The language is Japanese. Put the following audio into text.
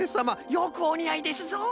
よくおにあいですぞ！